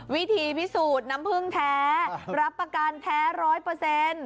วิธีพิสูจน์น้ำผึ้งแท้รับประกันแท้ร้อยเปอร์เซ็นต์